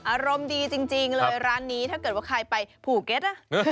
อารมณ์ดีจริงเลยร้านนี้ถ้าเกิดว่าใครไปภูเก็ต